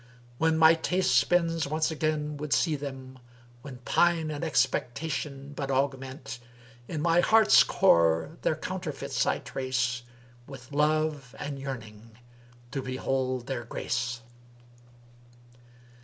When my taste spins once again would see them, * When pine and expectation but augment, In my heart's core their counterfeits I trace, * With love and yearning to behold their grace."